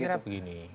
saya kira begini